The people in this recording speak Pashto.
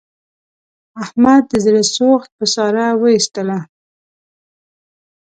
احمد د زړه سوخت په ساره و ایستلا.